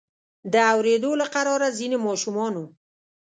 د اوریدو له قراره ځینې ماشومانو.